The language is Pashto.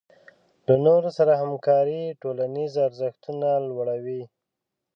له نورو سره همکاري ټولنیز ارزښتونه لوړوي.